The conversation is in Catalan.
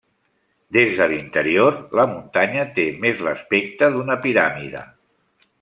Des de l'interior, la muntanya té més l'aspecte d'una piràmide.